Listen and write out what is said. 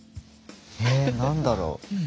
え何だろう。